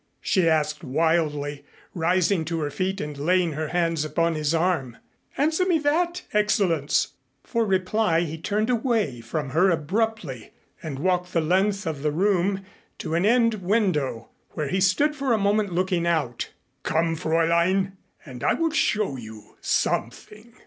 she asked wildly, rising to her feet and laying her hands upon his arm. "Answer me that, Excellenz." For reply he turned away from her abruptly and walked the length of the room to an end window, where he stood for a moment looking out. "Come, Fräulein, and I will show you something."